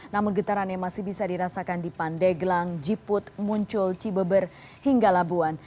namun getaran yang masih bisa dirasakan di pandeglang jiput muncul cibeber hingga labuan